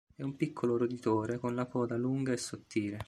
È un piccolo roditore con la coda lunga e sottile.